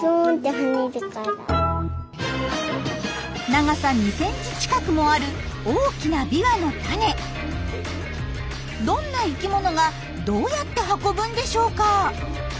長さ２ｃｍ近くもある大きなどんな生きものがどうやって運ぶんでしょうか？